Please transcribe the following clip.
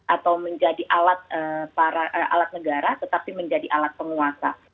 atau menjadi alat negara tetapi menjadi alat penguasa